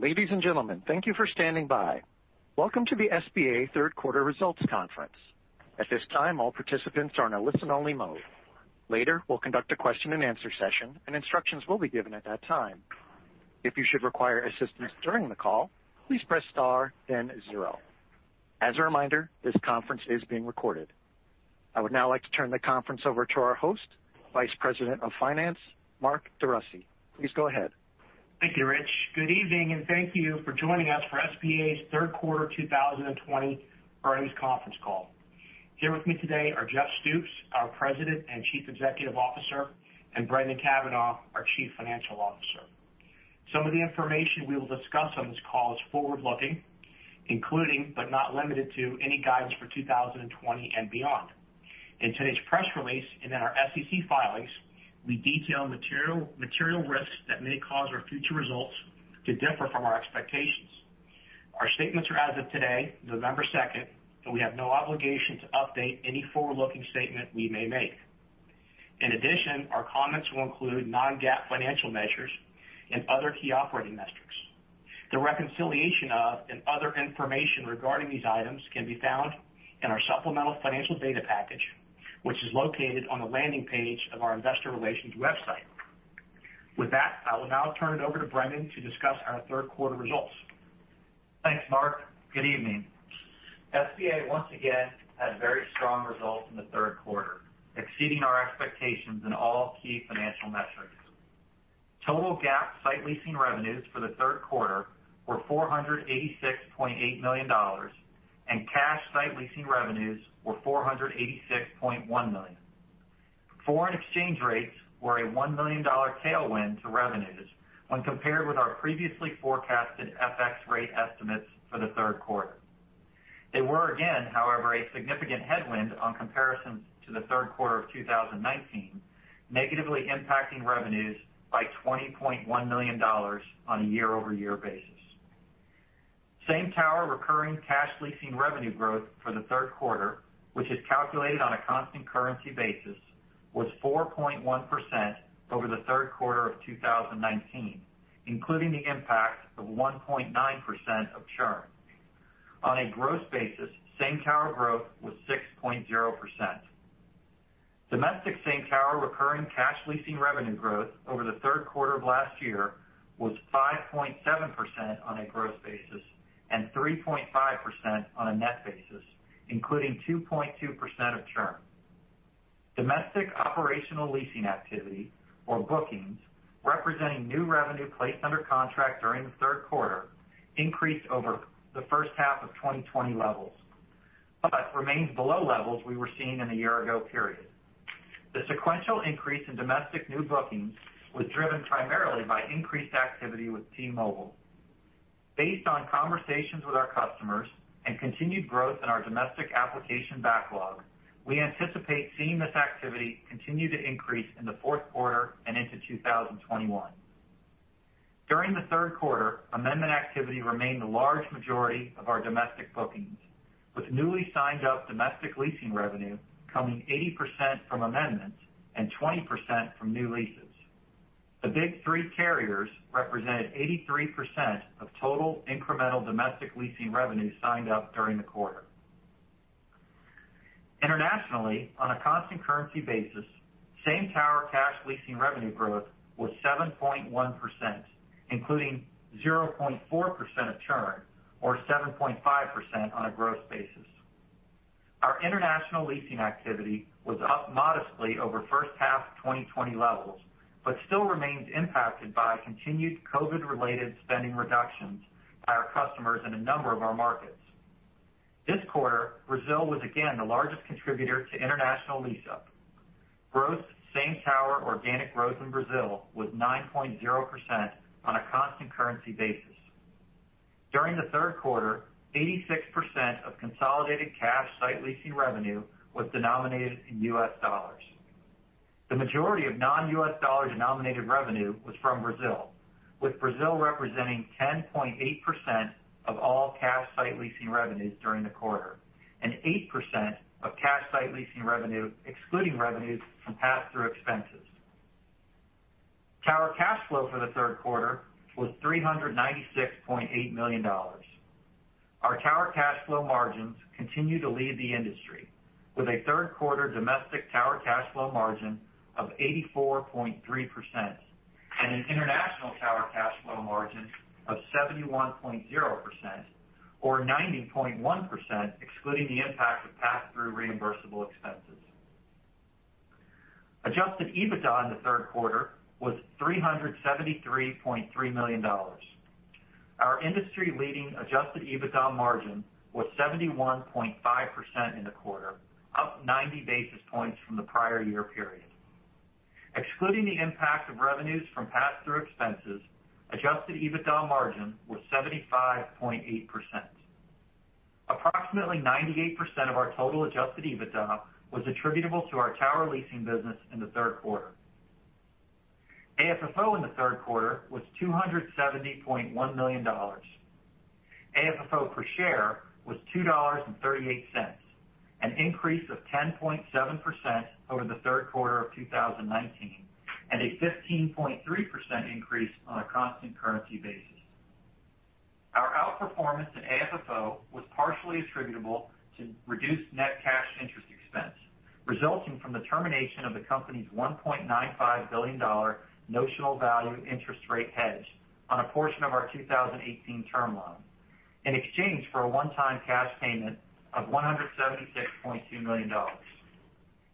Ladies and gentlemen, thank you for standing by. Welcome to the SBA Third Quarter Results Conference. At this time, all participants are in a listen-only mode. Later, we'll conduct a question-and-answer session, and instructions will be given at that time. If you should require assistance during the call, please press star then zero. As a reminder, this conference is being recorded. I would now like to turn the conference over to our host, Vice President of Finance, Mark DeRussy. Please go ahead. Thank you, Rich. Good evening, and thank you for joining us for SBA's third quarter 2020 earnings conference call. Here with me today are Jeff Stoops, our President and Chief Executive Officer, and Brendan Cavanagh, our Chief Financial Officer. Some of the information we will discuss on this call is forward-looking, including, but not limited to, any guidance for 2020 and beyond. In today's press release and in our SEC filings, we detail material, material risks that may cause our future results to differ from our expectations. Our statements are as of today, November 2nd, and we have no obligation to update any forward-looking statement we may make. In addition, our comments will include non-GAAP financial measures and other key operating metrics. The reconciliation of and other information regarding these items can be found in our supplemental financial data package, which is located on the landing page of our investor relations website. With that, I will now turn it over to Brendan to discuss our third quarter results. Thanks, Mark. Good evening. SBA once again had very strong results in the third quarter, exceeding our expectations in all key financial metrics. Total GAAP site leasing revenues for the third quarter were $486.8 million, and cash site leasing revenues were $486.1 million. Foreign exchange rates were a $1 million tailwind to revenues when compared with our previously forecasted FX rate estimates for the third quarter. They were again, however, a significant headwind on comparison to the third quarter of 2019, negatively impacting revenues by $20.1 million on a year-over-year basis. Same tower recurring cash leasing revenue growth for the third quarter, which is calculated on a constant currency basis, was 4.1% over the third quarter of 2019, including the impact of 1.9% of churn. On a gross basis, same tower growth was 6.0%. Domestic same tower recurring cash leasing revenue growth over the third quarter of last year was 5.7% on a gross basis and 3.5% on a net basis, including 2.2% of churn. Domestic operational leasing activity or bookings, representing new revenue placed under contract during the third quarter, increased over the first half of 2020 levels, but remains below levels we were seeing in the year-ago period. The sequential increase in domestic new bookings was driven primarily by increased activity with T-Mobile. Based on conversations with our customers and continued growth in our domestic application backlog, we anticipate seeing this activity continue to increase in the fourth quarter and into 2021. During the third quarter, amendment activity remained the large majority of our domestic bookings, with newly signed-up domestic leasing revenue coming 80% from amendments and 20% from new leases. The big three carriers represented 83% of total incremental domestic leasing revenue signed up during the quarter. Internationally, on a constant currency basis, same tower cash leasing revenue growth was 7.1%, including 0.4% of churn, or 7.5% on a gross basis. Our international leasing activity was up modestly over first half of 2020 levels, but still remains impacted by continued COVID-related spending reductions by our customers in a number of our markets. This quarter, Brazil was again the largest contributor to international lease-up. Gross same tower organic growth in Brazil was 9.0% on a constant currency basis. During the third quarter, 86% of consolidated cash site leasing revenue was denominated in US dollars. The majority of non-US dollar-denominated revenue was from Brazil, with Brazil representing 10.8% of all cash site leasing revenues during the quarter and 8% of cash site leasing revenue, excluding revenues from pass-through expenses. Tower cash flow for the third quarter was $396.8 million. Our tower cash flow margins continue to lead the industry with a third quarter domestic tower cash flow margin of 84.3% and an international tower cash flow margin of 71.0% or 90.1%, excluding the impact of pass-through reimbursable expenses. Adjusted EBITDA in the third quarter was $373.3 million. Our industry-leading Adjusted EBITDA margin was 71.5% in the quarter, up 90 basis points from the prior year period. Excluding the impact of revenues from pass-through expenses, Adjusted EBITDA margin was 75.8%. Approximately 98% of our total Adjusted EBITDA was attributable to our tower leasing business in the third quarter. AFFO in the third quarter was $270.1 million.... AFFO per share was $2.38, an increase of 10.7% over the third quarter of 2019, and a 15.3% increase on a constant currency basis. Our outperformance in AFFO was partially attributable to reduced net cash interest expense, resulting from the termination of the company's $1.95 billion notional value interest rate hedge on a portion of our 2018 term loan, in exchange for a one-time cash payment of $176.2 million.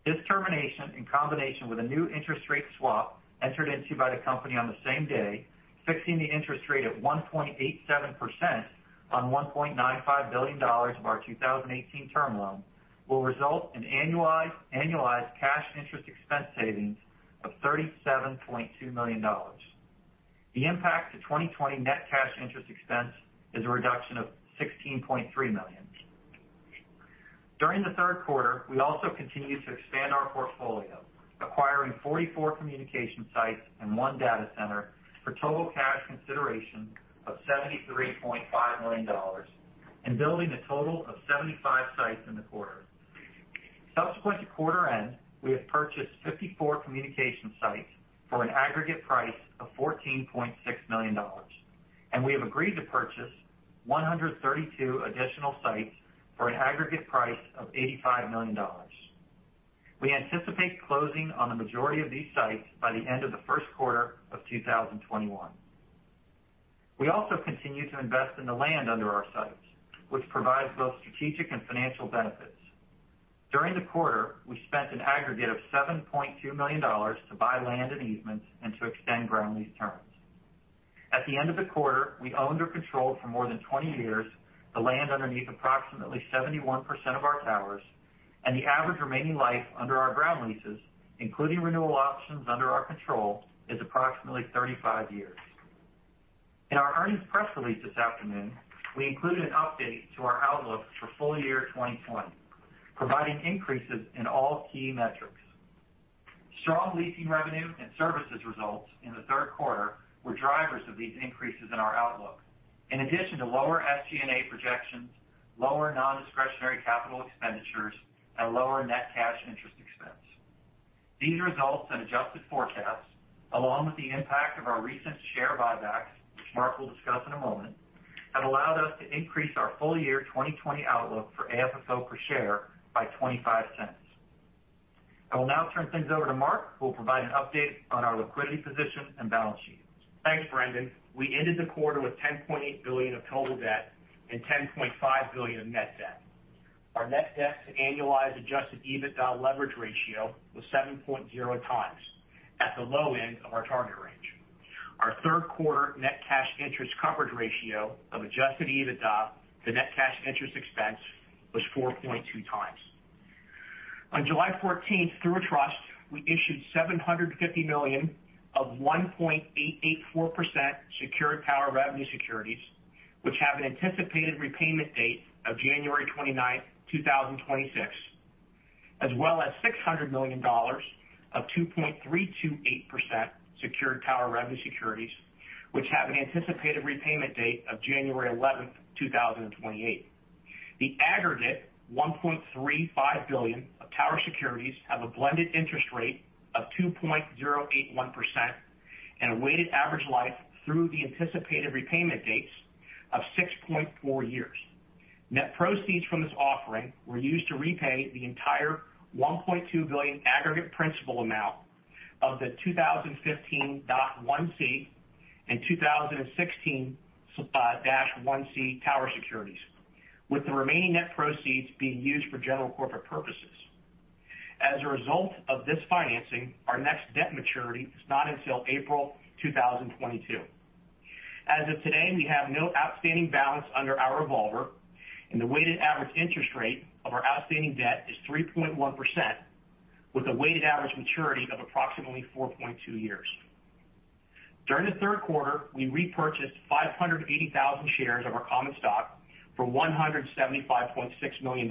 This termination, in combination with a new interest rate swap entered into by the company on the same day, fixing the interest rate at 1.87% on $1.95 billion of our 2018 term loan, will result in annualized cash interest expense savings of $37.2 million. The impact to 2020 net cash interest expense is a reduction of $16.3 million. During the third quarter, we also continued to expand our portfolio, acquiring 44 communication sites and one data center for total cash consideration of $73.5 million and building a total of 75 sites in the quarter. Subsequent to quarter end, we have purchased 54 communication sites for an aggregate price of $14.6 million, and we have agreed to purchase 132 additional sites for an aggregate price of $85 million. We anticipate closing on the majority of these sites by the end of the first quarter of 2021. We also continue to invest in the land under our sites, which provides both strategic and financial benefits. During the quarter, we spent an aggregate of $7.2 million to buy land and easements and to extend ground lease terms. At the end of the quarter, we owned or controlled for more than 20 years the land underneath approximately 71% of our towers, and the average remaining life under our ground leases, including renewal options under our control, is approximately 35 years. In our earnings press release this afternoon, we included an update to our outlook for full year 2020, providing increases in all key metrics. Strong leasing revenue and services results in the third quarter were drivers of these increases in our outlook, in addition to lower SG&A projections, lower non-discretionary capital expenditures, and lower net cash interest expense. These results and adjusted forecasts, along with the impact of our recent share buybacks, which Mark will discuss in a moment, have allowed us to increase our full year 2020 outlook for AFFO per share by $0.25. I will now turn things over to Mark, who will provide an update on our liquidity position and balance sheet. Thanks, Brendan. We ended the quarter with $10.8 billion of total debt and $10.5 billion of net debt. Our net debt to annualized Adjusted EBITDA leverage ratio was 7.0x, at the low end of our target range. Our third quarter net cash interest coverage ratio of Adjusted EBITDA to net cash interest expense was 4.2x. On July 14th, through a trust, we issued $750 million of 1.884% secured tower revenue securities, which have an anticipated repayment date of January 29th, 2026, as well as $600 million of 2.328% secured tower revenue securities, which have an anticipated repayment date of January 11th, 2028. The aggregate $1.35 billion of tower securities have a blended interest rate of 2.081% and a weighted average life through the anticipated repayment dates of 6.4 years. Net proceeds from this offering were used to repay the entire $1.2 billion aggregate principal amount of the 2015-1C and 2016-1C tower securities, with the remaining net proceeds being used for general corporate purposes. As a result of this financing, our next debt maturity is not until April 2022. As of today, we have no outstanding balance under our revolver, and the weighted average interest rate of our outstanding debt is 3.1%, with a weighted average maturity of approximately 4.2 years. During the third quarter, we repurchased 580,000 shares of our common stock for $175.6 million,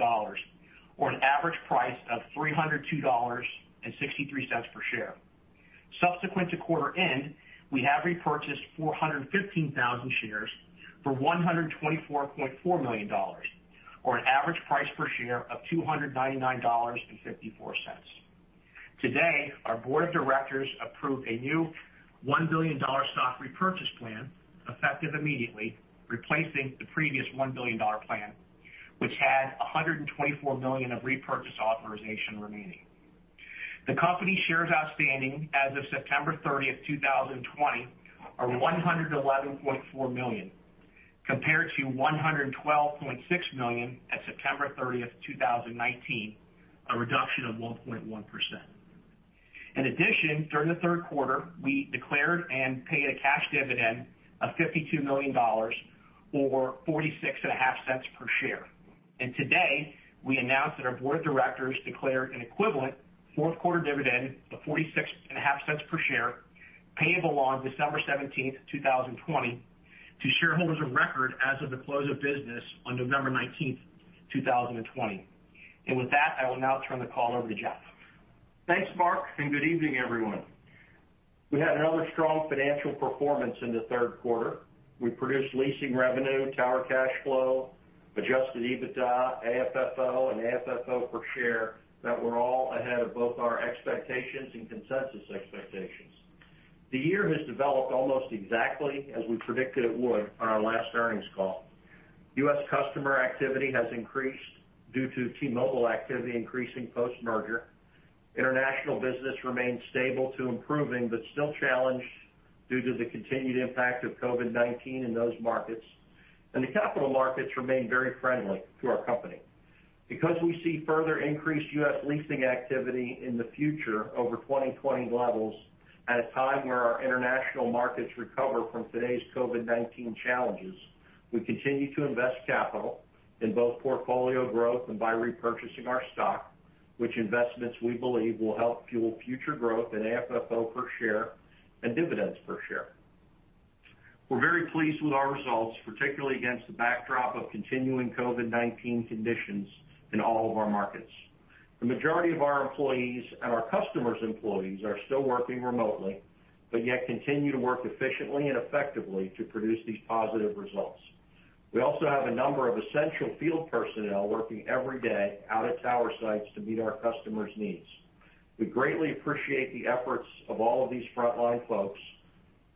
or an average price of $302.63 per share. Subsequent to quarter end, we have repurchased 415,000 shares for $124.4 million, or an average price per share of $299.54. Today, our board of directors approved a new $1 billion stock repurchase plan, effective immediately, replacing the previous $1 billion plan, which had $124 million of repurchase authorization remaining. The company shares outstanding as of September 30th, 2020, are 111.4 million, compared to 112.6 million at September 30th, 2019, a reduction of 1.1%. In addition, during the third quarter, we declared and paid a cash dividend of $52 million or $0.465 per share. Today, we announced that our board of directors declared an equivalent fourth quarter dividend of $0.465 per share, payable on December 17th, 2020, to shareholders of record as of the close of business on November 19th, 2020. With that, I will now turn the call over to Jeff. Thanks, Mark, and good evening, everyone. ...We had another strong financial performance in the third quarter. We produced leasing revenue, tower cash flow, Adjusted EBITDA, AFFO, and AFFO per share that were all ahead of both our expectations and consensus expectations. The year has developed almost exactly as we predicted it would on our last earnings call. U.S. customer activity has increased due to T-Mobile activity increasing post-merger. International business remains stable to improving, but still challenged due to the continued impact of COVID-19 in those markets, and the capital markets remain very friendly to our company. Because we see further increased U.S. leasing activity in the future over 2020 levels at a time where our international markets recover from today's COVID-19 challenges, we continue to invest capital in both portfolio growth and by repurchasing our stock, which investments we believe will help fuel future growth in AFFO per share and dividends per share. We're very pleased with our results, particularly against the backdrop of continuing COVID-19 conditions in all of our markets. The majority of our employees and our customers' employees are still working remotely, but yet continue to work efficiently and effectively to produce these positive results. We also have a number of essential field personnel working every day out at tower sites to meet our customers' needs. We greatly appreciate the efforts of all of these frontline folks,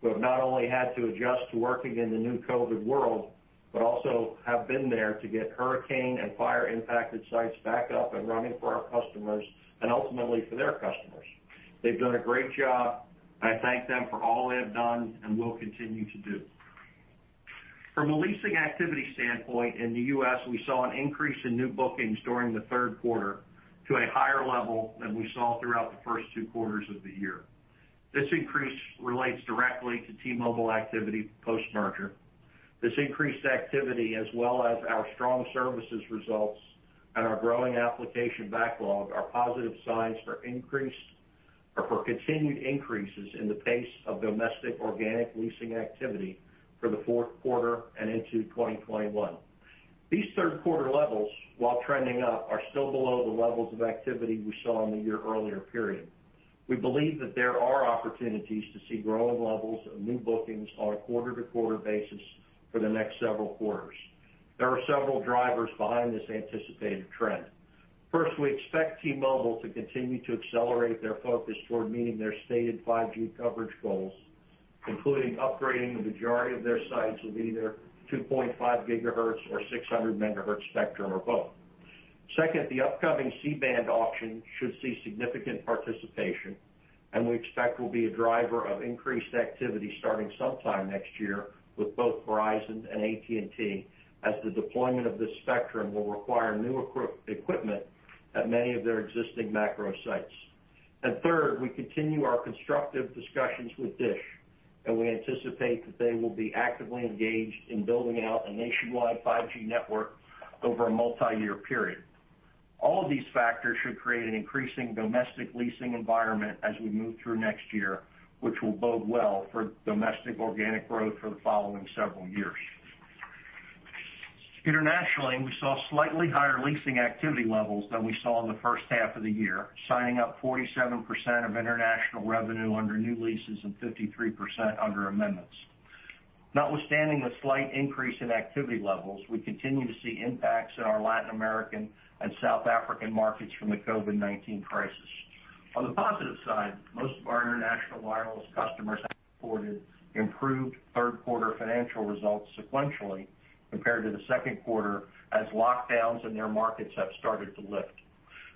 who have not only had to adjust to working in the new COVID world, but also have been there to get hurricane and fire-impacted sites back up and running for our customers and ultimately for their customers. They've done a great job. I thank them for all they have done and will continue to do. From a leasing activity standpoint, in the U.S., we saw an increase in new bookings during the third quarter to a higher level than we saw throughout the first two quarters of the year. This increase relates directly to T-Mobile activity post-merger. This increased activity, as well as our strong services results and our growing application backlog, are positive signs for increased, or for continued increases in the pace of domestic organic leasing activity for the fourth quarter and into 2021. These third quarter levels, while trending up, are still below the levels of activity we saw in the year-earlier period. We believe that there are opportunities to see growing levels of new bookings on a quarter-to-quarter basis for the next several quarters. There are several drivers behind this anticipated trend. First, we expect T-Mobile to continue to accelerate their focus toward meeting their stated 5G coverage goals, including upgrading the majority of their sites with either 2.5 GHz or 600 MHz spectrum, or both. Second, the upcoming C-band auction should see significant participation, and we expect will be a driver of increased activity starting sometime next year with both Verizon and AT&T, as the deployment of this spectrum will require new equipment at many of their existing macro sites. And third, we continue our constructive discussions with Dish, and we anticipate that they will be actively engaged in building out a nationwide 5G network over a multiyear period. All of these factors should create an increasing domestic leasing environment as we move through next year, which will bode well for domestic organic growth for the following several years. Internationally, we saw slightly higher leasing activity levels than we saw in the first half of the year, signing up 47% of international revenue under new leases and 53% under amendments. Notwithstanding the slight increase in activity levels, we continue to see impacts in our Latin American and South African markets from the COVID-19 crisis. On the positive side, most of our international wireless customers reported improved third quarter financial results sequentially compared to the second quarter, as lockdowns in their markets have started to lift.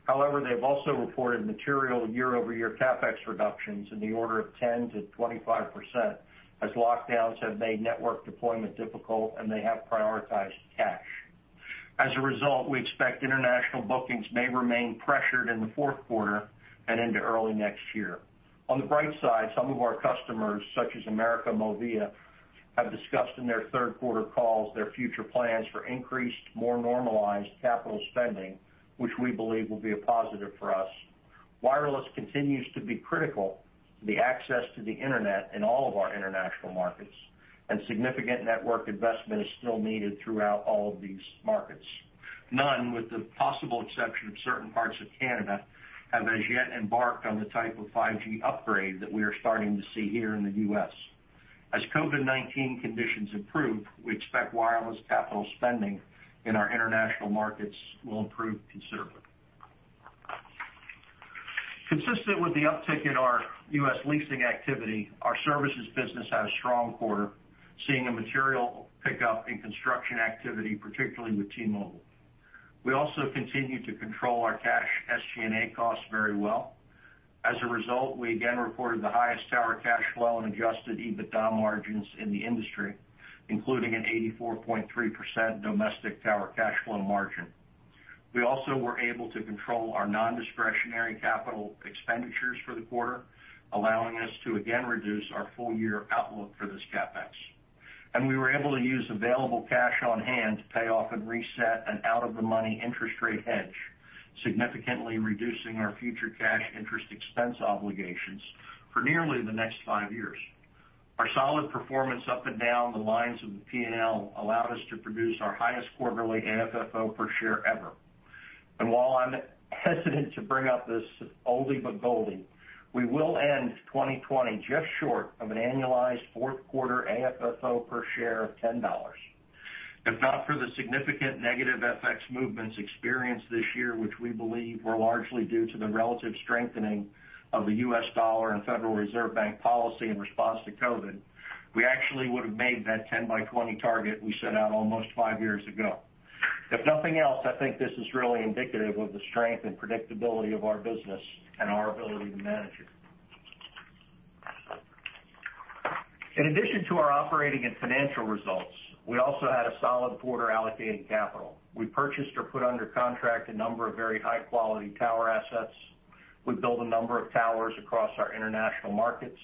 However, they've also reported material year-over-year CapEx reductions in the order of 10%-25%, as lockdowns have made network deployment difficult, and they have prioritized cash. As a result, we expect international bookings may remain pressured in the fourth quarter and into early next year. On the bright side, some of our customers, such as América Móvil, have discussed in their third quarter calls their future plans for increased, more normalized capital spending, which we believe will be a positive for us. Wireless continues to be critical to the access to the internet in all of our international markets, and significant network investment is still needed throughout all of these markets. None, with the possible exception of certain parts of Canada, have as yet embarked on the type of 5G upgrade that we are starting to see here in the U.S. As COVID-19 conditions improve, we expect wireless capital spending in our international markets will improve considerably. Consistent with the uptick in our U.S. leasing activity, our services business had a strong quarter, seeing a material pickup in construction activity, particularly with T-Mobile. We also continue to control our cash SG&A costs very well. As a result, we again reported the highest tower cash flow and Adjusted EBITDA margins in the industry, including an 84.3% domestic tower cash flow margin. We also were able to control our nondiscretionary capital expenditures for the quarter, allowing us to again reduce our full-year outlook for this CapEx. And we were able to use available cash on hand to pay off and reset an out-of-the-money interest rate hedge, significantly reducing our future cash interest expense obligations for nearly the next five years. Our solid performance up and down the lines of the P&L allowed us to produce our highest quarterly AFFO per share ever.... And while I'm hesitant to bring up this oldie but goldie, we will end 2020 just short of an annualized fourth quarter AFFO per share of $10. If not for the significant negative FX movements experienced this year, which we believe were largely due to the relative strengthening of the U.S. dollar and Federal Reserve Bank policy in response to COVID, we actually would have made that 10 by 2020 target we set out almost five years ago. If nothing else, I think this is really indicative of the strength and predictability of our business and our ability to manage it. In addition to our operating and financial results, we also had a solid quarter allocating capital. We purchased or put under contract a number of very high-quality tower assets. We built a number of towers across our international markets.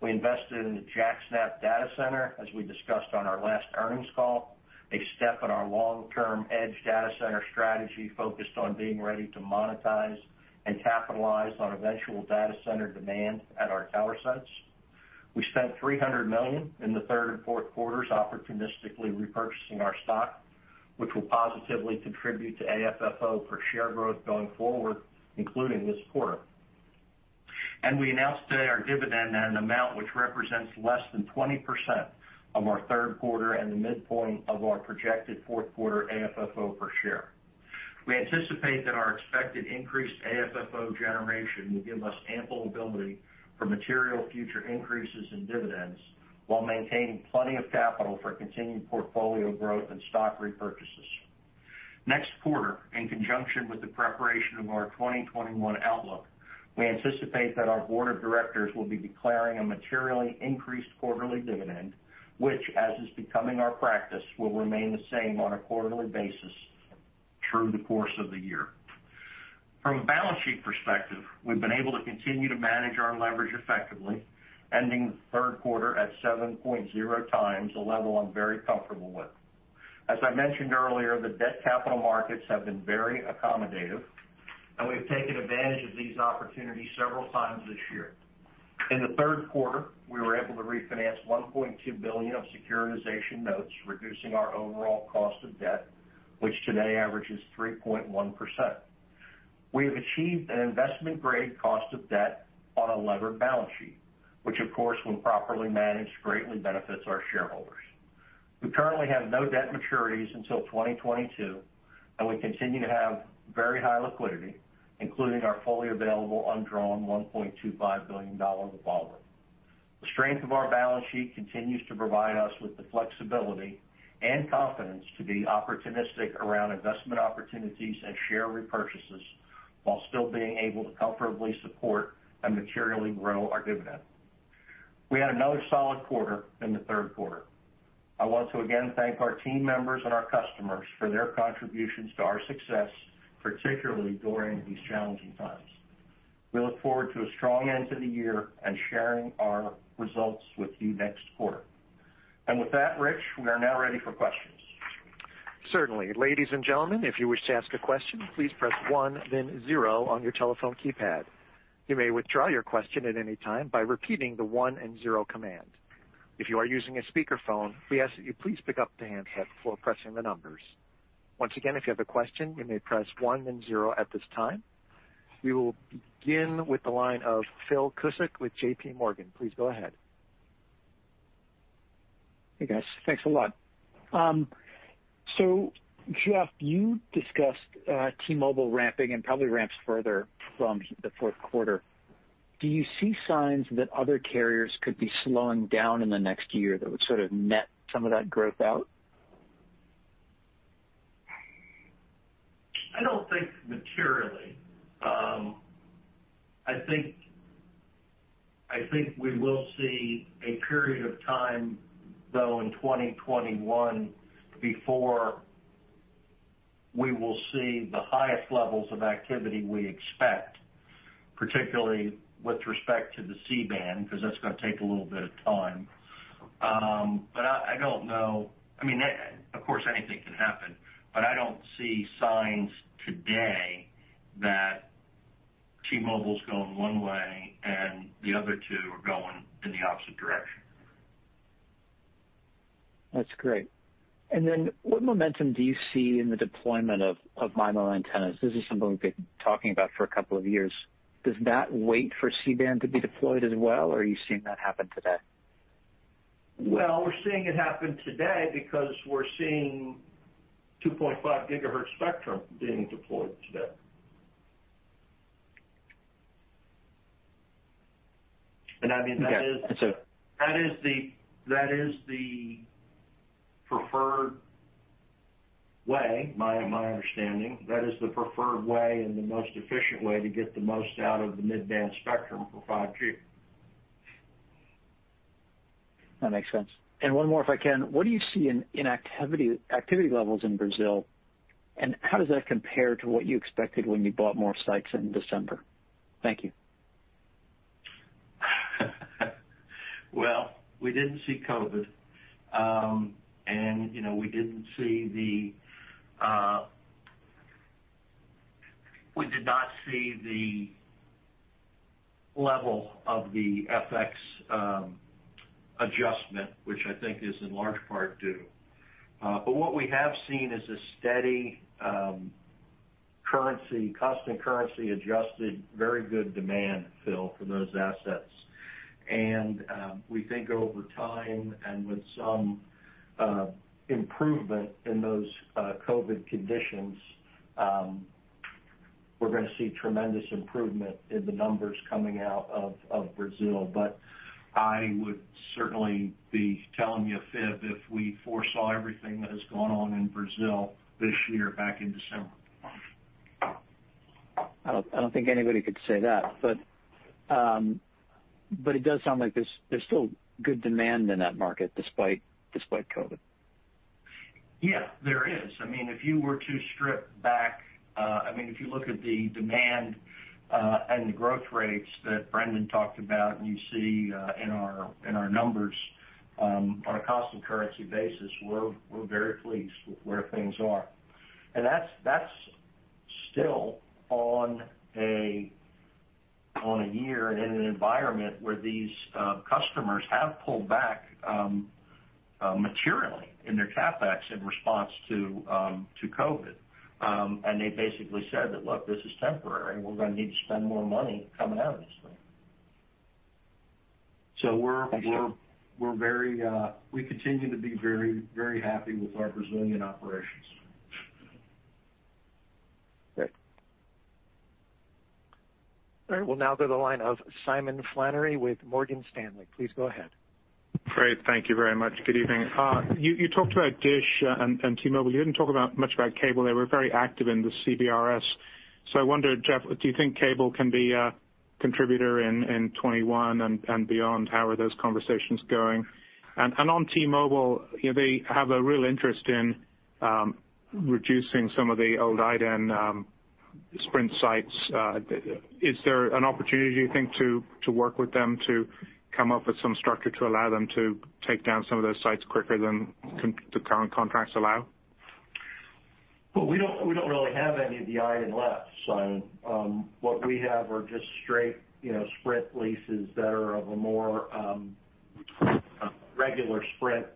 We invested in the JaxNAP Data Center, as we discussed on our last earnings call, a step in our long-term edge data center strategy, focused on being ready to monetize and capitalize on eventual data center demand at our tower sites. We spent $300 million in the third and fourth quarters opportunistically repurchasing our stock, which will positively contribute to AFFO per share growth going forward, including this quarter. We announced today our dividend at an amount which represents less than 20% of our third quarter and the midpoint of our projected fourth quarter AFFO per share. We anticipate that our expected increased AFFO generation will give us ample ability for material future increases in dividends while maintaining plenty of capital for continued portfolio growth and stock repurchases. Next quarter, in conjunction with the preparation of our 2021 outlook, we anticipate that our board of directors will be declaring a materially increased quarterly dividend, which, as is becoming our practice, will remain the same on a quarterly basis through the course of the year. From a balance sheet perspective, we've been able to continue to manage our leverage effectively, ending the third quarter at 7.0 times, a level I'm very comfortable with. As I mentioned earlier, the debt capital markets have been very accommodative, and we've taken advantage of these opportunities several times this year. In the third quarter, we were able to refinance $1.2 billion of securitization notes, reducing our overall cost of debt, which today averages 3.1%. We have achieved an investment-grade cost of debt on a levered balance sheet, which, of course, when properly managed, greatly benefits our shareholders. We currently have no debt maturities until 2022, and we continue to have very high liquidity, including our fully available undrawn $1.25 billion revolver. The strength of our balance sheet continues to provide us with the flexibility and confidence to be opportunistic around investment opportunities and share repurchases, while still being able to comfortably support and materially grow our dividend. We had another solid quarter in the third quarter. I want to again thank our team members and our customers for their contributions to our success, particularly during these challenging times. We look forward to a strong end to the year and sharing our results with you next quarter. With that, Rich, we are now ready for questions. Certainly. Ladies and gentlemen, if you wish to ask a question, please press one, then zero on your telephone keypad. You may withdraw your question at any time by repeating the one and zero command. If you are using a speakerphone, we ask that you please pick up the handset before pressing the numbers. Once again, if you have a question, you may press one, then zero at this time. We will begin with the line of Phil Cusick with JP Morgan. Please go ahead. Hey, guys. Thanks a lot. So Jeff, you discussed T-Mobile ramping and probably ramps further from the fourth quarter. Do you see signs that other carriers could be slowing down in the next year that would sort of net some of that growth out? I don't think materially. I think, I think we will see a period of time, though, in 2021 before we will see the highest levels of activity we expect, particularly with respect to the C-band, because that's gonna take a little bit of time. But I, I don't know. I mean, of course, anything can happen, but I don't see signs today that T-Mobile's going one way and the other two are going in the opposite direction. That's great. And then what momentum do you see in the deployment of MIMO antennas? This is something we've been talking about for a couple of years. Does that wait for C-band to be deployed as well, or are you seeing that happen today? Well, we're seeing it happen today because we're seeing 2.5 GHz spectrum being deployed today. And, I mean, that is- Okay, and so- That is the preferred way, my understanding. That is the preferred way and the most efficient way to get the most out of the mid-band spectrum for 5G. That makes sense. One more, if I can: What do you see in activity levels in Brazil, and how does that compare to what you expected when you bought more stakes in December? Thank you. Well, we didn't see COVID, and, you know, we didn't see the level of the FX adjustment, which I think is in large part due. But what we have seen is a steady, constant currency-adjusted, very good demand, Phil, for those assets. And, we think over time and with some improvement in those COVID conditions, we're gonna see tremendous improvement in the numbers coming out of Brazil. But I would certainly be telling you a fib if we foresaw everything that has gone on in Brazil this year back in December. I don't think anybody could say that, but it does sound like there's still good demand in that market despite COVID. Yeah, there is. I mean, if you were to strip back, I mean, if you look at the demand and the growth rates that Brendan talked about, and you see in our, in our numbers on a constant currency basis, we're, we're very pleased with where things are. And that's, that's still on a, on a year in an environment where these customers have pulled back materially in their CapEx in response to to COVID. And they basically said that, "Look, this is temporary. We're gonna need to spend more money coming out of this thing." So we're- I see. We continue to be very, very happy with our Brazilian operations. Great. All right, we'll now go to the line of Simon Flannery with Morgan Stanley. Please go ahead. Great. Thank you very much. Good evening. You talked about Dish and T-Mobile. You didn't talk much about Cable. They were very active in the CBRS. So I wonder, Jeff, do you think Cable can be a contributor in 2021 and beyond? How are those conversations going? And on T-Mobile, you know, they have a real interest in reducing some of the old iDEN Sprint sites. Is there an opportunity, do you think, to work with them to come up with some structure to allow them to take down some of those sites quicker than the current contracts allow? Well, we don't, we don't really have any of the iDEN left, Simon. What we have are just straight, you know, Sprint leases that are of a more, regular Sprint,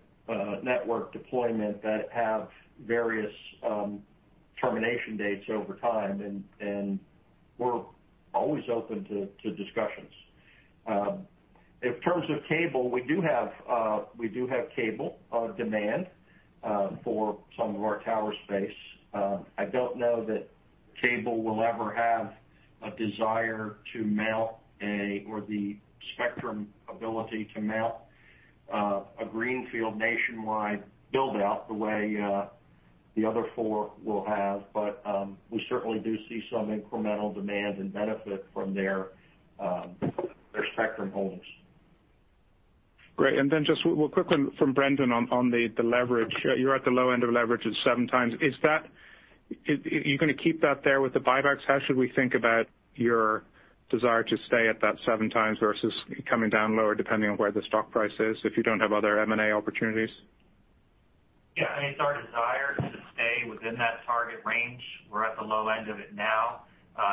network deployment that have various, termination dates over time, and, and we're always open to, to discussions. In terms of Cable, we do have, we do have Cable, demand, for some of our tower space. I don't know that Cable will ever have a desire to mount a, or the spectrum ability to mount, a greenfield nationwide build-out the way, the other four will have, but, we certainly do see some incremental demand and benefit from their, their spectrum holds. Great. And then just real quickly from Brendan on the leverage. You're at the low end of leverage at 7x. Is that—are you gonna keep that there with the buybacks? How should we think about your desire to stay at that 7x versus coming down lower, depending on where the stock price is, if you don't have other M&A opportunities? Yeah, I mean, it's our desire to stay within that target range. We're at the low end of it now.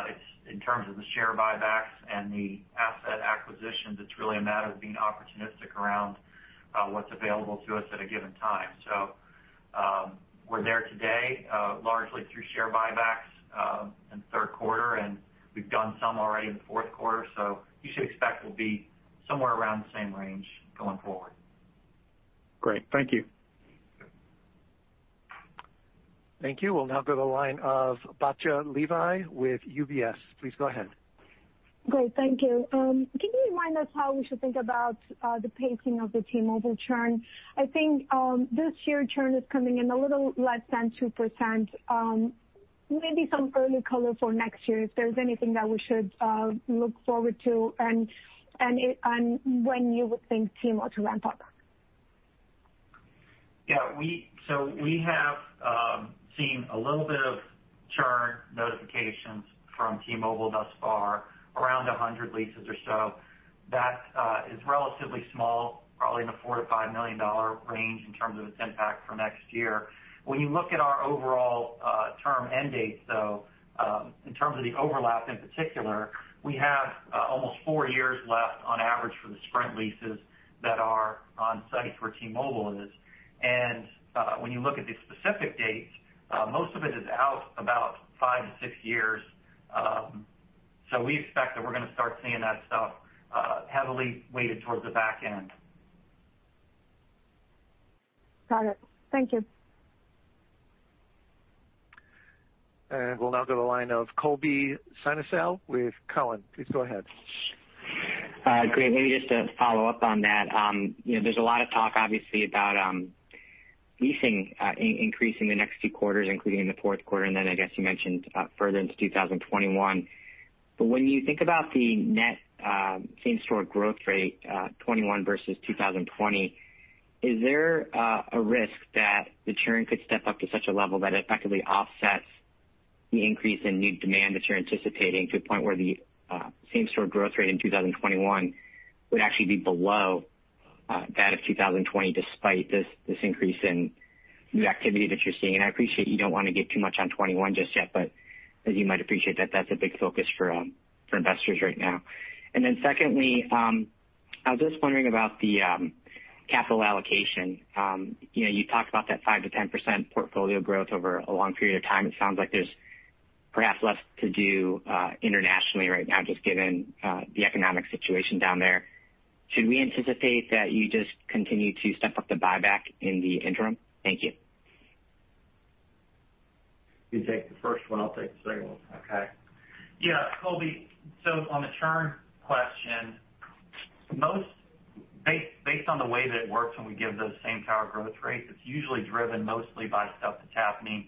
It's in terms of the share buybacks and the asset acquisitions, it's really a matter of being opportunistic around what's available to us at a given time. So, we're there today, largely through share buybacks, in the third quarter, and we've done some already in the fourth quarter. So you should expect we'll be somewhere around the same range going forward. Great. Thank you. Sure. Thank you. We'll now go to the line of Batya Levi with UBS. Please go ahead. Great, thank you. Can you remind us how we should think about the pacing of the T-Mobile churn? I think this year, churn is coming in a little less than 2%. Maybe some early color for next year, if there's anything that we should look forward to and when you would think T-Mobile to ramp up? Yeah, so we have seen a little bit of churn notifications from T-Mobile thus far, around 100 leases or so. That is relatively small, probably in the $4-$5 million range in terms of its impact for next year. When you look at our overall term end dates, though, in terms of the overlap in particular, we have almost 4 years left on average for the Sprint leases that are on sites where T-Mobile is. And when you look at the specific dates, most of it is out about 5-6 years. So we expect that we're gonna start seeing that stuff heavily weighted towards the back end. Got it. Thank you. We'll now go to the line of Colby Synesael with Cowen. Please go ahead. Great. Maybe just to follow up on that, you know, there's a lot of talk, obviously, about leasing increasing the next few quarters, including in the fourth quarter, and then I guess you mentioned further into 2021. But when you think about the net same-store growth rate, 2021 versus 2020, is there a risk that the churn could step up to such a level that it effectively offsets the increase in new demand that you're anticipating, to a point where the same-store growth rate in 2021 would actually be below that of 2020, despite this, this increase in new activity that you're seeing, and I appreciate you don't wanna give too much on 2021 just yet, but as you might appreciate, that that's a big focus for for investors right now. And then secondly, I was just wondering about the capital allocation. You know, you talked about that 5%-10% portfolio growth over a long period of time. It sounds like there's perhaps less to do internationally right now, just given the economic situation down there. Should we anticipate that you just continue to step up the buyback in the interim? Thank you. You take the first one, I'll take the second one. Okay. Yeah, Colby, so on the churn question, mostly based on the way that it works, when we give those same tower growth rates, it's usually driven mostly by stuff that's happening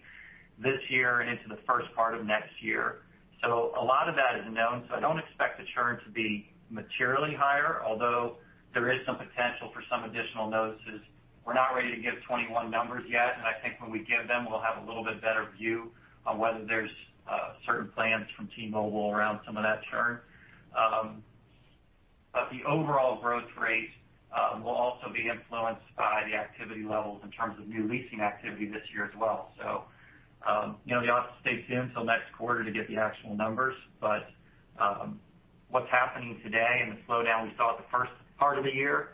this year and into the first part of next year. So a lot of that is known, so I don't expect the churn to be materially higher, although there is some potential for some additional notices. We're not ready to give 2021 numbers yet, and I think when we give them, we'll have a little bit better view on whether there's certain plans from T-Mobile around some of that churn. But the overall growth rate will also be influenced by the activity levels in terms of new leasing activity this year as well. So, you know, you'll have to stay tuned till next quarter to get the actual numbers, but what's happening today and the slowdown we saw at the first part of the year,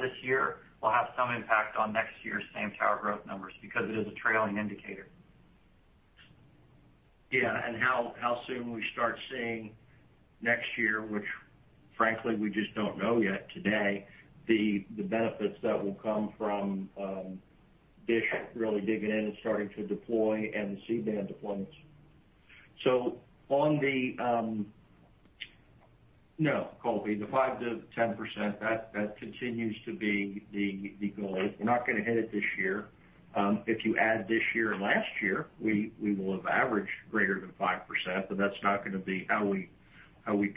this year, will have some impact on next year's same tower growth numbers because it is a trailing indicator. Yeah, and how soon we start seeing next year, which frankly, we just don't know yet today, the benefits that will come from Dish really digging in and starting to deploy and the C-band deployments. So on the... No, Colby, the 5%-10%, that continues to be the goal. We're not gonna hit it this year. If you add this year and last year, we will have averaged greater than 5%, but that's not gonna be how we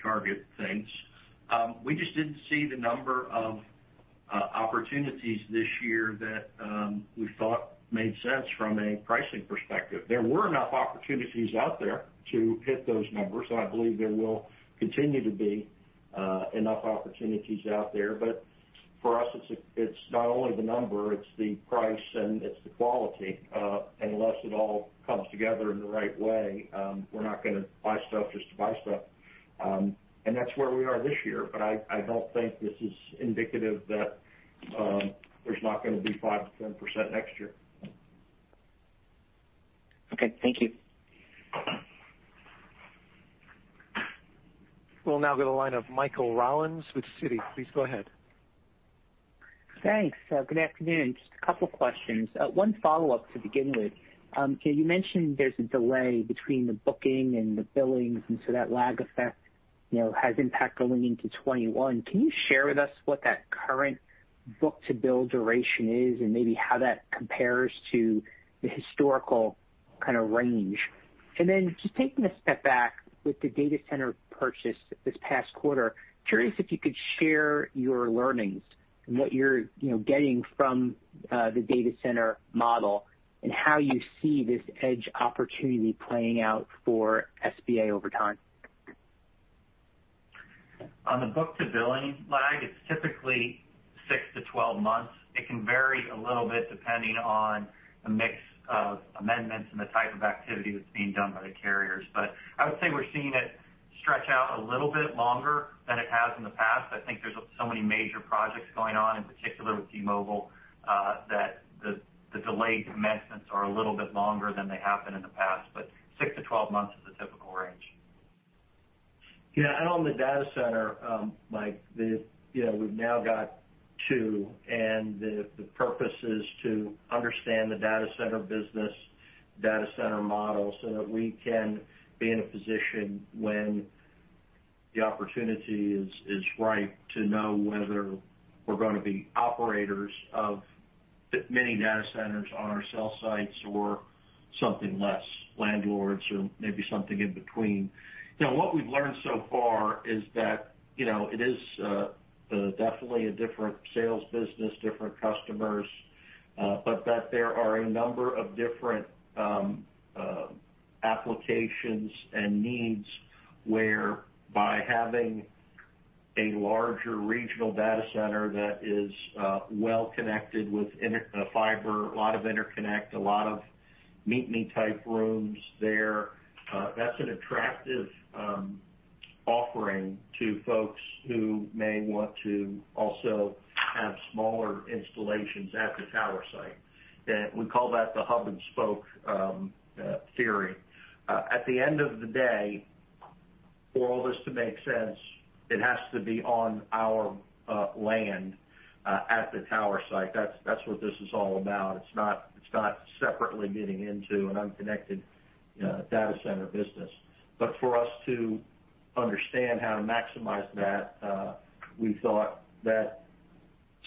target things. We just didn't see the number of opportunities this year that we thought made sense from a pricing perspective. There were enough opportunities out there to hit those numbers, and I believe there will continue to be enough opportunities out there. But for us, it's not only the number, it's the price, and it's the quality. Unless it all comes together in the right way, we're not gonna buy stuff just to buy stuff. And that's where we are this year, but I, I don't think this is indicative that there's not gonna be 5%-10% next year. Okay. Thank you. We'll now go to the line of Michael Rollins with Citi. Please go ahead. Thanks. Good afternoon. Just a couple questions. One follow-up to begin with. You mentioned there's a delay between the booking and the billings, and so that lag effect, you know, has impact going into 2021. Can you share with us what that current book-to-bill duration is and maybe how that compares to the historical kind of range? And then just taking a step back, with the data center purchase this past quarter, curious if you could share your learnings and what you're, you know, getting from the data center model and how you see this edge opportunity playing out for SBA over time. On the book to billing lag, it's typically 6-12 months. It can vary a little bit depending on the mix of amendments and the type of activity that's being done by the carriers. But I would say we're seeing it stretch out a little bit longer than it has in the past. I think there's so many major projects going on, in particular with T-Mobile, that the delayed commencements are a little bit longer than they have been in the past, but 6-12 months is the typical range. Yeah, and on the data center, Mike, you know, we've now got two, and the purpose is to understand the data center business, data center model, so that we can be in a position when the opportunity is right to know whether we're gonna be operators of many data centers on our cell sites or something less, landlords or maybe something in between. You know, what we've learned so far is that, you know, it is definitely a different sales business, different customers, but that there are a number of different applications and needs, where by having a larger regional data center that is well connected with fiber, a lot of interconnect, a lot of meet-me-type rooms there, that's an attractive offering to folks who may want to also have smaller installations at the tower site. We call that the hub and spoke theory. At the end of the day, for all this to make sense, it has to be on our land at the tower site. That's what this is all about. It's not separately getting into an unconnected data center business. But for us to understand how to maximize that, we thought that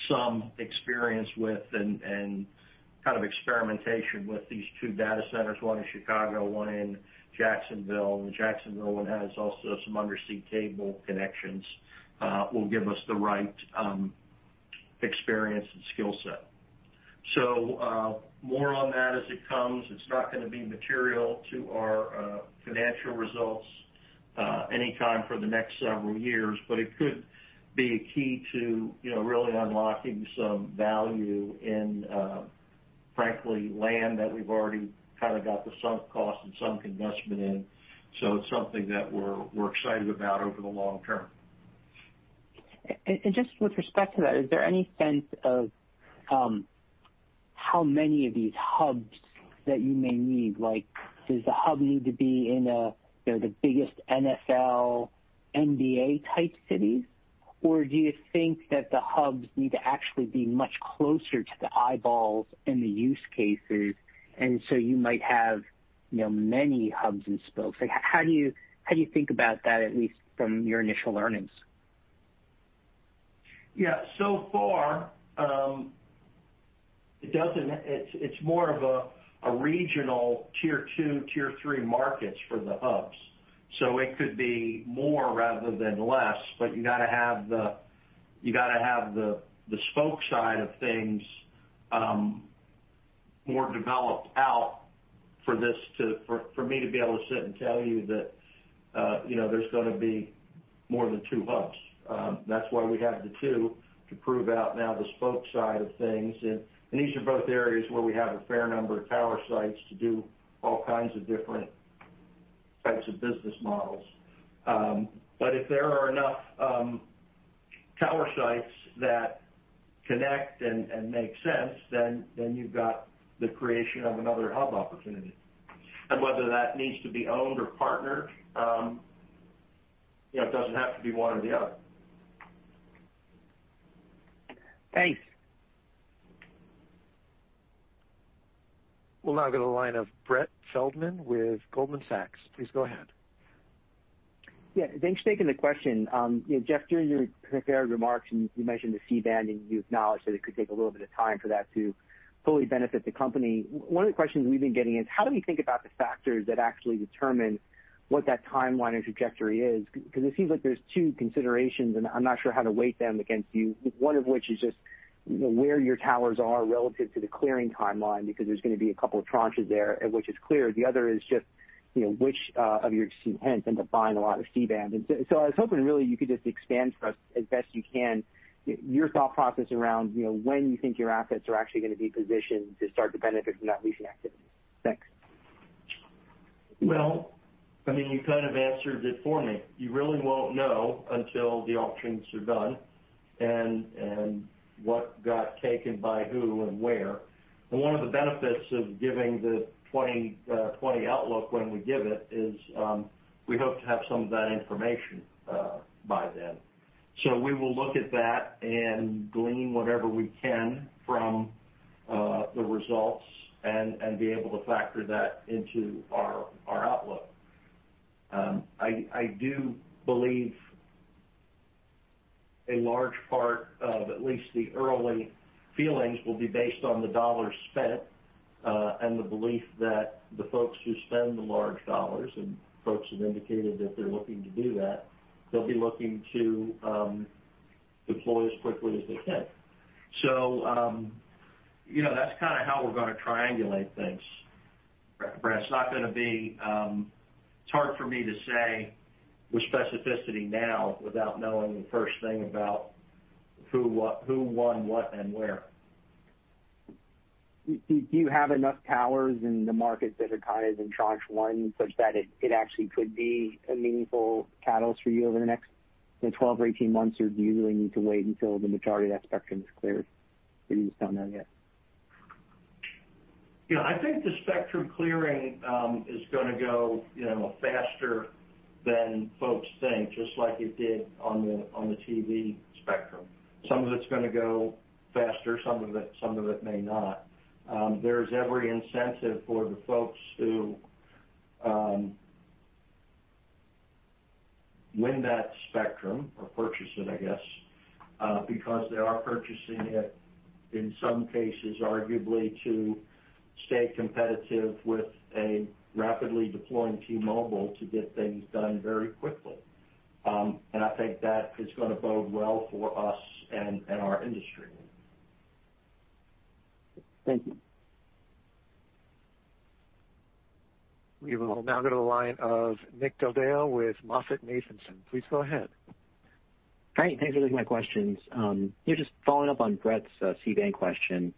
some experience with and kind of experimentation with these two data centers, one in Chicago, one in Jacksonville, and the Jacksonville one has also some undersea cable connections will give us the right experience and skill set. So, more on that as it comes. It's not gonna be material to our financial results anytime for the next several years, but it could be a key to, you know, really unlocking some value in, frankly, land that we've already kind of got the sunk cost and sunk investment in. So it's something that we're, we're excited about over the long term. And just with respect to that, is there any sense of how many of these hubs that you may need? Like, does the hub need to be in a, you know, the biggest NFL, NBA type cities? Or do you think that the hubs need to actually be much closer to the eyeballs and the use cases, and so you might have, you know, many hubs and spokes? Like, how do you, how do you think about that, at least from your initial learnings? Yeah, so far, it doesn't—it's more of a regional tier two, tier three markets for the hubs. So it could be more rather than less, but you gotta have the, you gotta have the spoke side of things more developed out for this to, for, for me to be able to sit and tell you that, you know, there's gonna be more than two hubs. That's why we have the two, to prove out now the spoke side of things. And these are both areas where we have a fair number of tower sites to do all kinds of different types of business models. But if there are enough tower sites that connect and make sense, then you've got the creation of another hub opportunity. Whether that needs to be owned or partnered, you know, it doesn't have to be one or the other. Thanks. We'll now go to the line of Brett Feldman with Goldman Sachs. Please go ahead. Yeah, thanks for taking the question. You know, Jeff, during your prepared remarks, and you mentioned the C-band, and you acknowledged that it could take a little bit of time for that to fully benefit the company. One of the questions we've been getting is: How do we think about the factors that actually determine what that timeline or trajectory is? Because it seems like there's two considerations, and I'm not sure how to weight them against you. One of which is just, you know, where your towers are relative to the clearing timeline, because there's gonna be a couple of tranches there, which is clear. The other is just, you know, which of your tenants end up buying a lot of C-band. I was hoping really you could just expand for us, as best you can, your thought process around, you know, when you think your assets are actually gonna be positioned to start to benefit from that leasing activity. Thanks. Well, I mean, you kind of answered it for me. You really won't know until the auctions are done, and what got taken by who and where. And one of the benefits of giving the 2020 outlook when we give it is, we hope to have some of that information by then. So we will look at that and glean whatever we can from the results and be able to factor that into our outlook. I do believe a large part of at least the early feelings will be based on the dollars spent and the belief that the folks who spend the large dollars, and folks have indicated that they're looking to do that, they'll be looking to deploy as quickly as they can. So, you know, that's kind of how we're gonna triangulate things, Brett. It's not gonna be. It's hard for me to say with specificity now, without knowing the first thing about who, what, who won what and where. Do you have enough towers in the markets that are kind of in tranche one, such that it actually could be a meaningful catalyst for you over the next, you know, 12 or 18 months? Or do you really need to wait until the majority of that spectrum is cleared? Or you just don't know yet? Yeah, I think the spectrum clearing is gonna go, you know, faster than folks think, just like it did on the, on the TV spectrum. Some of it's gonna go faster, some of it may not. There's every incentive for the folks to win that spectrum or purchase it, I guess, because they are purchasing it, in some cases, arguably, to stay competitive with a rapidly deploying T-Mobile to get things done very quickly. And I think that is gonna bode well for us and our industry. Thank you. We will now go to the line of Nick Del Deo with MoffettNathanson. Please go ahead. Great. Thanks for taking my questions. You know, just following up on Brett's C-band question. You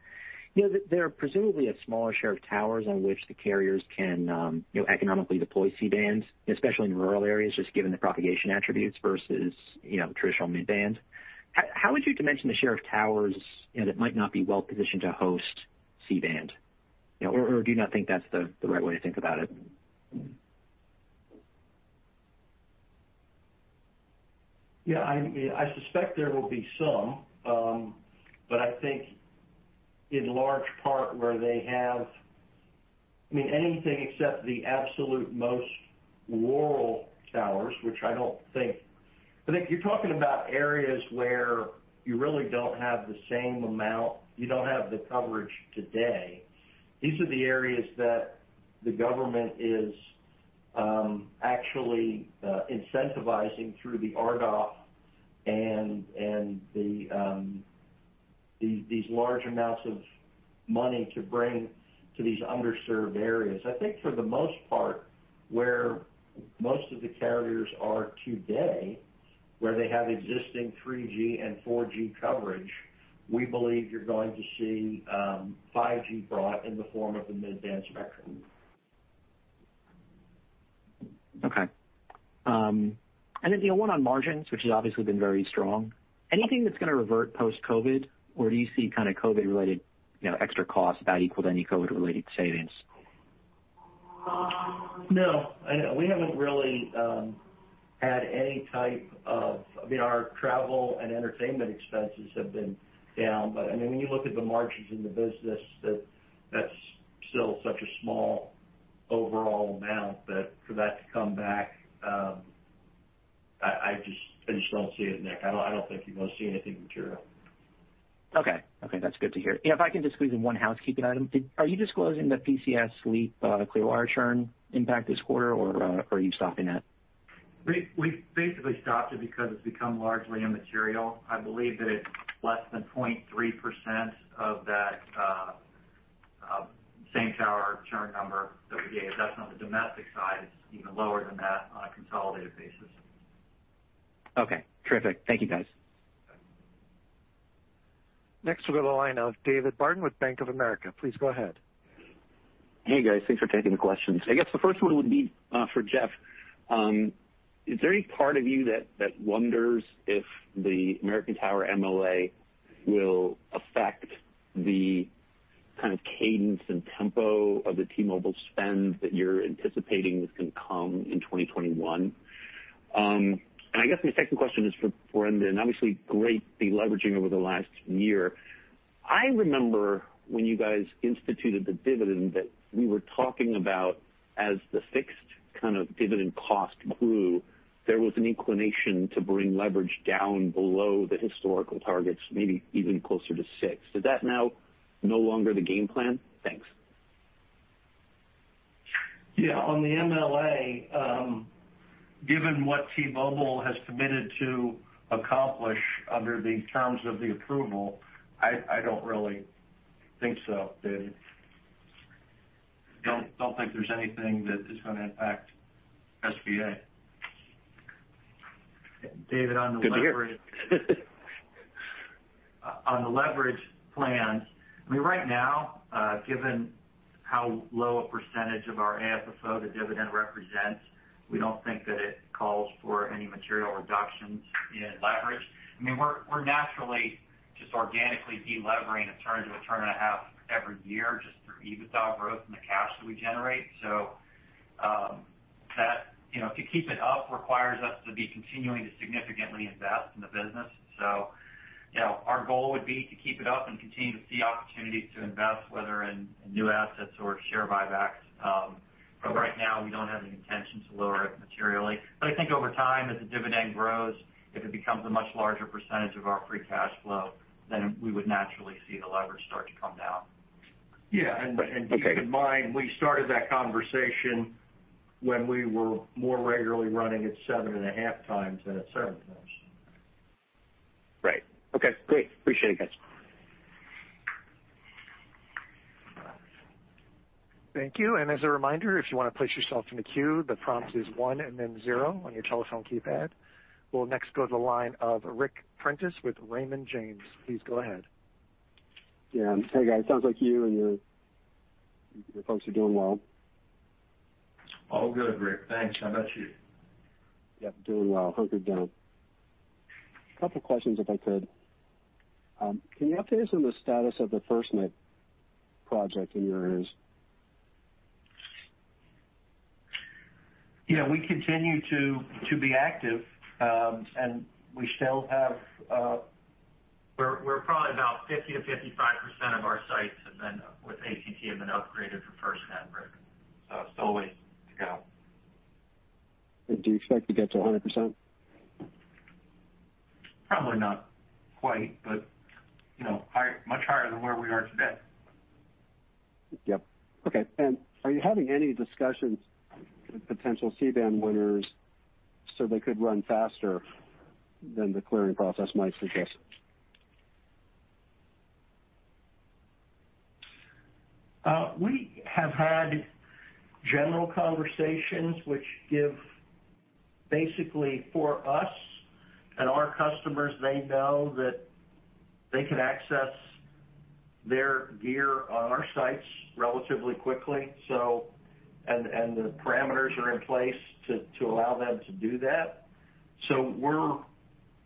know, there are presumably a smaller share of towers on which the carriers can, you know, economically deploy C-bands, especially in rural areas, just given the propagation attributes versus, you know, traditional mid-band. How would you dimension the share of towers, you know, that might not be well positioned to host C-band? You know, or do you not think that's the right way to think about it? Yeah, I suspect there will be some, but I think in large part, where they have... I mean, anything except the absolute most rural towers, which I don't think—I think you're talking about areas where you really don't have the same amount, you don't have the coverage today. These are the areas that the government is actually incentivizing through the RDOF and the these large amounts of money to bring to these underserved areas. I think for the most part, where most of the carriers are today, where they have existing 3G and 4G coverage, we believe you're going to see 5G brought in the form of the mid-band spectrum. Okay. And then, you know, one on margins, which has obviously been very strong. Anything that's gonna revert post-COVID, or do you see kind of COVID-related, you know, extra costs about equal to any COVID-related savings? No, I know, we haven't really had any type of, I mean, our travel and entertainment expenses have been down. But, I mean, when you look at the margins in the business, that's still such a small overall amount that for that to come back, I just don't see it, Nick. I don't think you're gonna see anything material. Okay. Okay, that's good to hear. If I can just squeeze in one housekeeping item. Are you disclosing the PCS Leap, Clearwire churn impact this quarter, or are you stopping that? We, we've basically stopped it because it's become largely immaterial. I believe that it's less than 0.3% of that same tower churn number that we gave. That's on the domestic side. It's even lower than that on a consolidated basis. Okay, terrific. Thank you, guys. Next, we'll go to the line of David Barden with Bank of America. Please go ahead. Hey, guys. Thanks for taking the questions. I guess the first one would be for Jeff. Is there any part of you that wonders if the American Tower MLA will affect the kind of cadence and tempo of the T-Mobile spend that you're anticipating is gonna come in 2021? And I guess my second question is for Brendan. Obviously, great deleveraging over the last year. I remember when you guys instituted the dividend that we were talking about as the fixed kind of dividend cost grew, there was an inclination to bring leverage down below the historical targets, maybe even closer to six. Is that now no longer the game plan? Thanks. Yeah, on the MLA, given what T-Mobile has committed to accomplish under the terms of the approval, I don't really think so, David. Don't think there's anything that is gonna impact SBA. David, on the leverage- Good to hear. On the leverage plans, I mean, right now, given how low a percentage of our AFFO the dividend represents, we don't think that it calls for any material reductions in leverage. I mean, we're naturally just organically delevering a turn to a turn and a half every year just through EBITDA growth and the cash that we generate. So, you know, to keep it up requires us to be continuing to significantly invest in the business. So, you know, our goal would be to keep it up and continue to see opportunities to invest, whether in new assets or share buybacks. But right now, we don't have any intention to lower it materially. But I think over time, as the dividend grows, if it becomes a much larger percentage of our free cash flow, then we would naturally see the leverage start to come down. Yeah, and keep in mind, we started that conversation when we were more regularly running at 7.5x than at 7x. Right. Okay, great. Appreciate it, guys. Thank you. As a reminder, if you wanna place yourself in the queue, the prompt is one and then zero on your telephone keypad. We'll next go to the line of Ric Prentiss with Raymond James. Please go ahead. Yeah. Hey, guys, sounds like you and your, your folks are doing well. All good, Rich. Thanks. How about you? Yep, doing well. Hunkered down. A couple questions, if I could. Can you update us on the status of the FirstNet project in your areas? Yeah, we continue to be active, and we still have- We're probably about 50%-55% of our sites have been with AT&T upgraded for FirstNet, Rich, so still a way to go. Do you expect to get to 100%? Probably not quite, but, you know, much higher than where we are today. Yep. Okay, and are you having any discussions with potential C-band winners so they could run faster than the clearing process might suggest? We have had general conversations which give basically for us and our customers. They know that they can access their gear on our sites relatively quickly, so and the parameters are in place to allow them to do that. So we're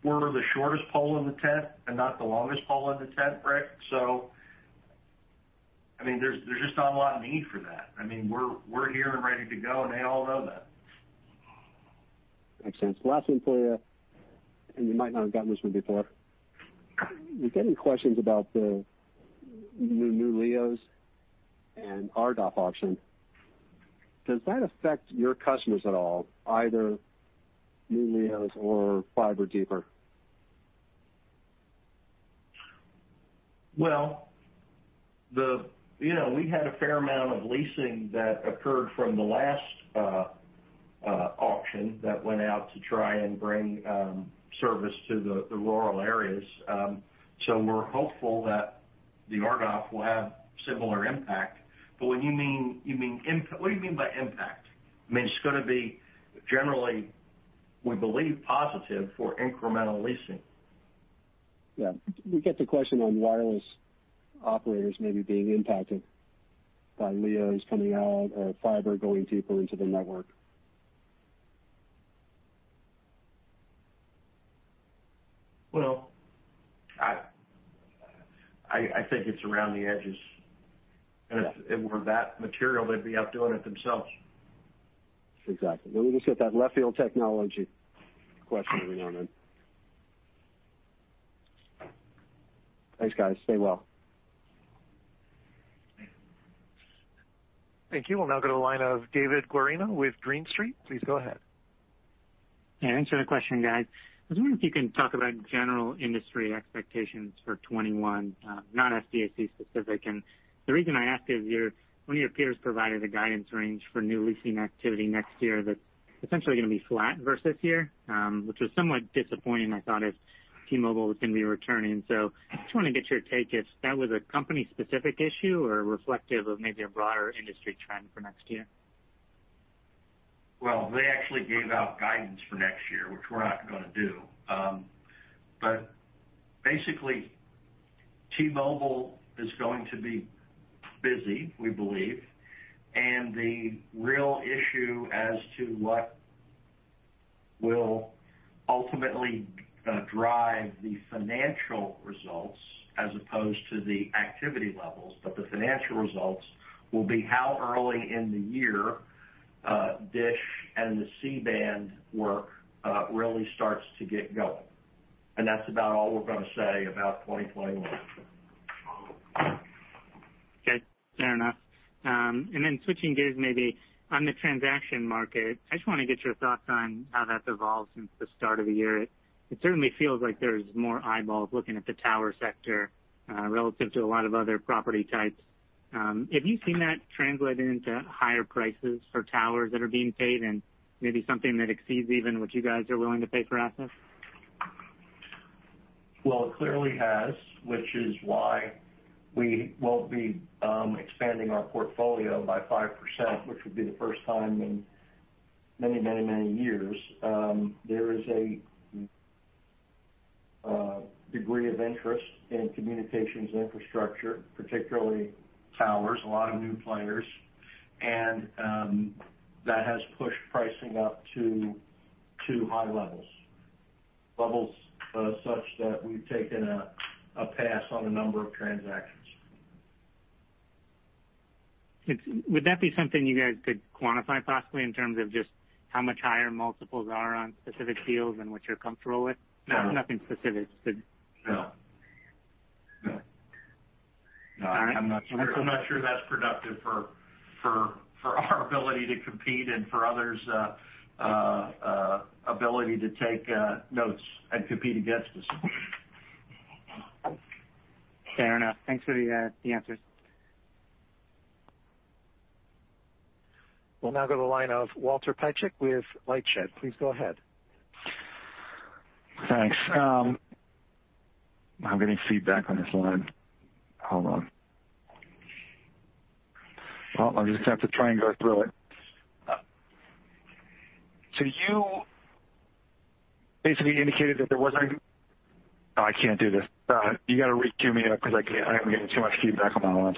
the shortest pole in the tent and not the longest pole in the tent, Rich. So I mean, there's just not a lot of need for that. I mean, we're here and ready to go, and they all know that. Makes sense. Last one for you, and you might not have gotten this one before. With any questions about the new LEOs and RDOF auction, does that affect your customers at all, either LEOs or fiber deeper?... Well, you know, we had a fair amount of leasing that occurred from the last auction that went out to try and bring service to the rural areas. So we're hopeful that the RDOF will have similar impact. But when you mean, you mean what do you mean by impact? I mean, it's gonna be generally, we believe, positive for incremental leasing. Yeah. We get the question on wireless operators maybe being impacted by LEOs coming out or fiber going deeper into the network. Well, I think it's around the edges, and if it were that material, they'd be out doing it themselves. Exactly. Well, we just get that left field technology question every now and then. Thanks, guys. Stay well. Thank you. We'll now go to the line of David Guarino with Green Street. Please go ahead. Yeah, thanks for the question, guys. I was wondering if you can talk about general industry expectations for 2021, not SBAC specific. And the reason I ask is, one of your peers provided a guidance range for new leasing activity next year that's essentially gonna be flat versus here, which was somewhat disappointing, I thought, if T-Mobile was gonna be returning. So I just wanna get your take if that was a company-specific issue or reflective of maybe a broader industry trend for next year. Well, they actually gave out guidance for next year, which we're not gonna do. But basically, T-Mobile is going to be busy, we believe, and the real issue as to what will ultimately drive the financial results as opposed to the activity levels, but the financial results will be how early in the year, Dish and the C-band work really starts to get going. And that's about all we're gonna say about 2021. Okay, fair enough. And then switching gears, maybe on the transaction market, I just wanna get your thoughts on how that's evolved since the start of the year. It certainly feels like there's more eyeballs looking at the tower sector, relative to a lot of other property types. Have you seen that translated into higher prices for towers that are being paid and maybe something that exceeds even what you guys are willing to pay for assets? Well, it clearly has, which is why we will be expanding our portfolio by 5%, which would be the first time in many, many, many years. There is a degree of interest in communications infrastructure, particularly towers, a lot of new players, and that has pushed pricing up to high levels such that we've taken a pass on a number of transactions. Would that be something you guys could quantify, possibly, in terms of just how much higher multiples are on specific deals and what you're comfortable with? No. Nothing specific, but- No. No. All right. I'm not sure that's productive for our ability to compete and for others' ability to take notes and compete against us. Fair enough. Thanks for the answers. We'll now go to the line of Walter Piecyk with LightShed. Please go ahead. Thanks. I'm getting feedback on this line. Hold on. Well, I'll just have to try and go through it. So you basically indicated that there wasn't... Oh, I can't do this. You gotta re-cue me up because I can't. I am getting too much feedback on my line.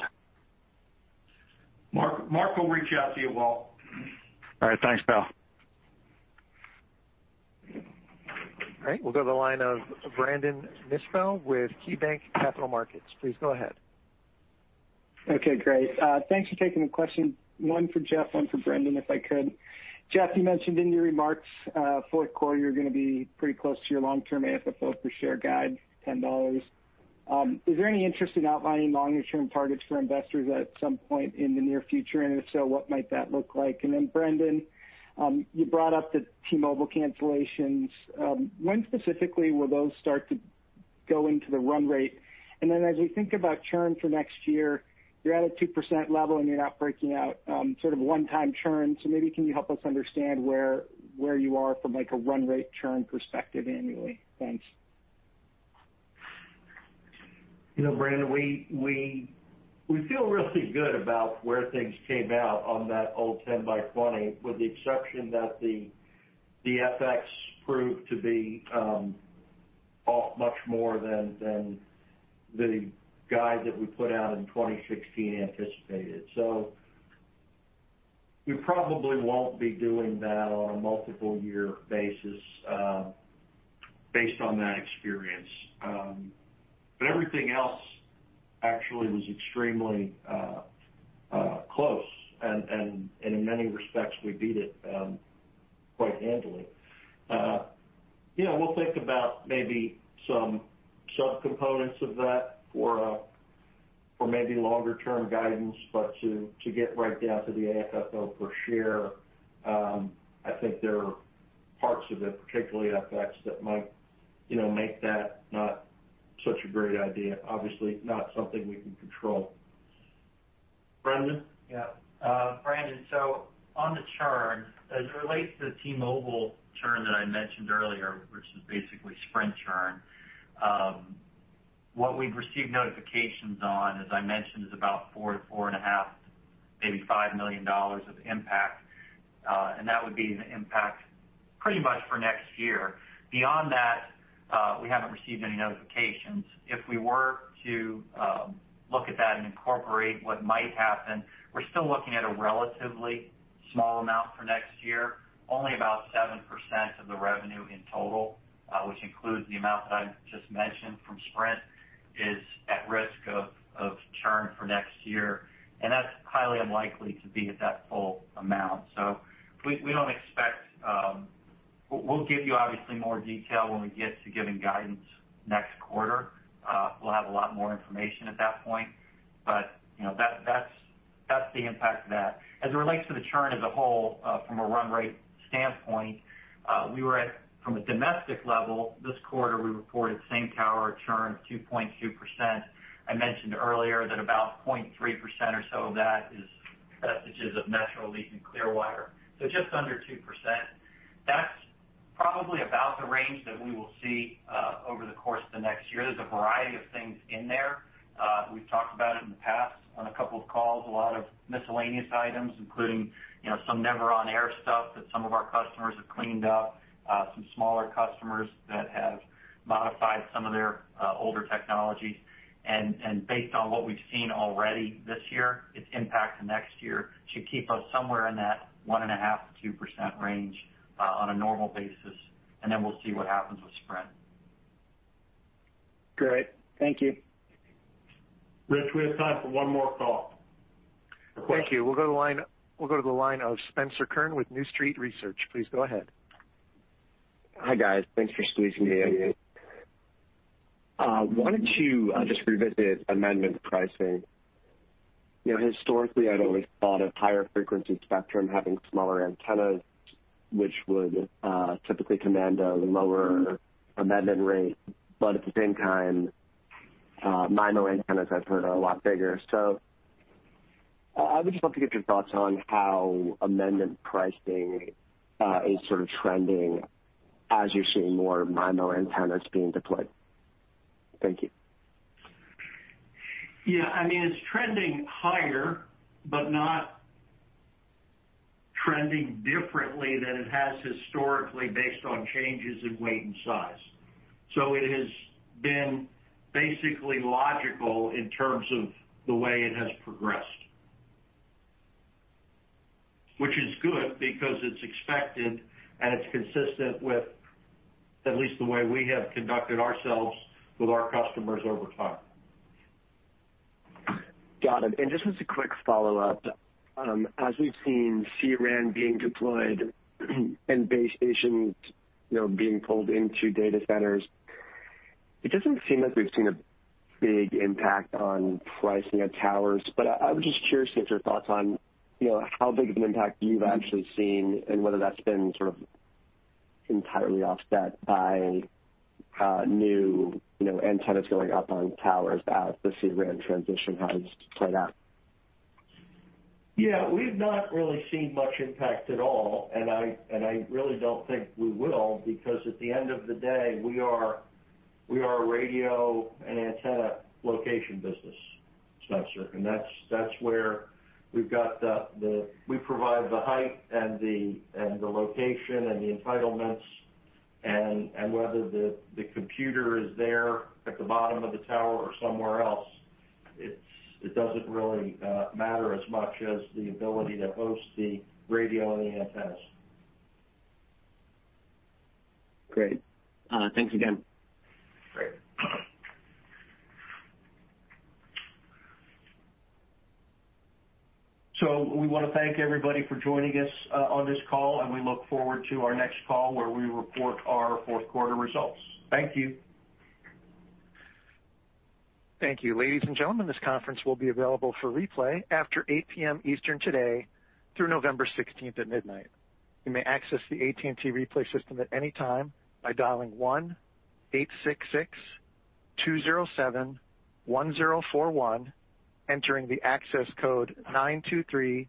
Mark, Mark will reach out to you, Walt. All right. Thanks, pal. All right, we'll go to the line of Brandon Nispel with KeyBanc Capital Markets. Please go ahead. Okay, great. Thanks for taking the question. One for Jeff, one for Brendan, if I could. Jeff, you mentioned in your remarks, fourth quarter, you're gonna be pretty close to your long-term AFFO per share guide, $10. Is there any interest in outlining longer-term targets for investors at some point in the near future? And if so, what might that look like? And then, Brendan, you brought up the T-Mobile cancellations. When specifically will those start to go into the run rate? And then as we think about churn for next year, you're at a 2% level, and you're not breaking out, sort of one-time churn. So maybe can you help us understand where you are from, like, a run rate churn perspective annually? Thanks. You know, Brandon, we feel really good about where things came out on that old 10 by 20, with the exception that the FX proved to be much more than the guide that we put out in 2016 anticipated. So we probably won't be doing that on a multiple year basis, based on that experience. But everything else actually was extremely close, and in many respects, we beat it quite handily. Yeah, we'll think about maybe some subcomponents of that for maybe longer-term guidance, but to get right down to the AFFO per share, I think there are parts of it, particularly FX, that might, you know, make that not such a great idea. Obviously, not something we can control. Brendan? Yeah. Brandon, so on the churn, as it relates to the T-Mobile churn that I mentioned earlier, which is basically Sprint churn, what we've received notifications on, as I mentioned, is about $4 million-$4.5 million, maybe $5 million of impact, and that would be the impact pretty much for next year. Beyond that, we haven't received any notifications. If we were to look at that and incorporate what might happen, we're still looking at a relatively small amount for next year. Only about 7% of the revenue in total, which includes the amount that I just mentioned from Sprint, is at risk of churn for next year, and that's highly unlikely to be at that full amount. So we don't expect... We'll give you obviously more detail when we get to giving guidance next quarter. We'll have a lot more information at that point, but, you know, that's the impact of that. As it relates to the churn as a whole, from a run rate standpoint, we were at, from a domestic level, this quarter, we reported same tower churn of 2.2%. I mentioned earlier that about 0.3% or so of that is vestiges of Metro, Leap, and Clearwire. So just under 2%. That's probably about the range that we will see, over the course of the next year. There's a variety of things in there. We've talked about it in the past on a couple of calls. A lot of miscellaneous items, including, you know, some never on-air stuff that some of our customers have cleaned up, some smaller customers that have modified some of their, older technologies. And based on what we've seen already this year, its impact to next year should keep us somewhere in that 1.5%-2% range on a normal basis, and then we'll see what happens with Sprint. Great. Thank you. Rich, we have time for one more call. Thank you. We'll go to the line of Spencer Kurn with New Street Research. Please go ahead. Hi, guys. Thanks for squeezing me in. Wanted to just revisit amendment pricing. You know, historically, I'd always thought of higher frequency spectrum having smaller antennas, which would typically command a lower amendment rate. But at the same time, MIMO antennas, I've heard, are a lot bigger. So I would just love to get your thoughts on how amendment pricing is sort of trending as you're seeing more MIMO antennas being deployed. Thank you. Yeah, I mean, it's trending higher, but not trending differently than it has historically based on changes in weight and size. So it has been basically logical in terms of the way it has progressed. Which is good, because it's expected and it's consistent with at least the way we have conducted ourselves with our customers over time. Got it. And just as a quick follow-up, as we've seen C-RAN being deployed and base stations, you know, being pulled into data centers, it doesn't seem like we've seen a big impact on pricing at towers. But I was just curious to get your thoughts on, you know, how big of an impact you've actually seen, and whether that's been sort of entirely offset by new, you know, antennas going up on towers as the C-RAN transition has played out. Yeah, we've not really seen much impact at all, and I really don't think we will, because at the end of the day, we are a radio and antenna location business, Spencer, and that's where we provide the height and the location, and the entitlements, and whether the computer is there at the bottom of the tower or somewhere else, it doesn't really matter as much as the ability to host the radio and the antennas. Great. Thanks again. Great. So we want to thank everybody for joining us on this call, and we look forward to our next call, where we report our fourth quarter results. Thank you. Thank you. Ladies and gentlemen, this conference will be available for replay after 8 P.M. Eastern today through November 16 at midnight. You may access the AT&T replay system at any time by dialing 1-866-207-1041, entering the access code 923-0723.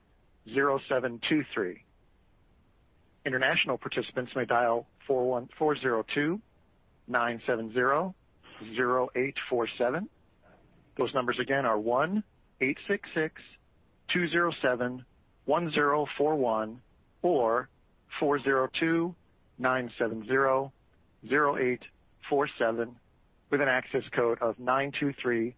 International participants may dial 402-970-0847. Those numbers again are 1-866-207-1041 or 402-970-0847, with an access code of 923-0723.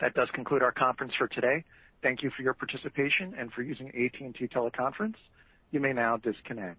That does conclude our conference for today. Thank you for your participation and for using AT&T Teleconference. You may now disconnect.